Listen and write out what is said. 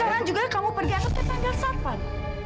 sekarang juga kamu pergi angkatkan tanggal sarfan